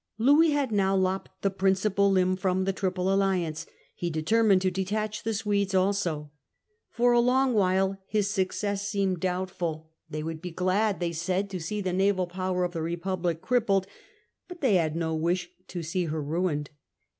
Louis had now lopped the principal limb from the Triple Alliance ; he determined to detach the Swedes also. For a long while his success seemed doubtful. They would be glad, they said, to see the naval power of the Republic crippled, but they had no wish to see her ruined.